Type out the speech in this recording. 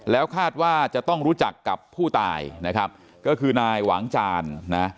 แล้วคาดว่าจะต้องรู้จักกับผู้ตายนะครับก็คือนายหวังจานนะ